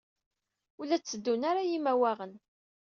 Ur la tteddun ara yimawaɣen.